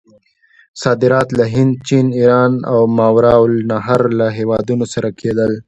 صادرات له هند، چین، ایران او ماورأ النهر له هیوادونو سره کېدل.